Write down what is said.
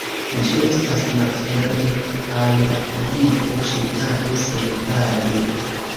Ĝi estas malferma al la publiko ĉiutage senpage.